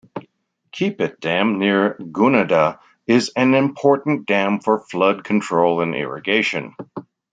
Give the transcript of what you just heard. Keepit Dam near Gunnedah is an important dam for flood control and irrigation.